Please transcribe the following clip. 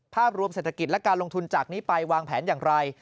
ภาพรวมเศรษฐกิจและการลงทุนจากนี้ไปวางแผนอย่างไร